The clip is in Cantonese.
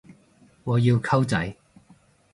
我要溝仔